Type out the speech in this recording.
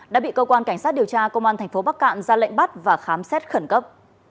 đã bị cơ quan cảnh sát điều tra công an thành phố bắc cạn ra lệnh bắt và khám xét khẩn cấp